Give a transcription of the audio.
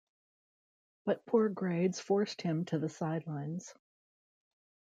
But poor grades forced him to the sidelines.